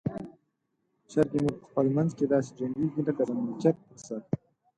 چرګې مو په خپل منځ کې داسې جنګیږي لکه د ملکیت پر سر.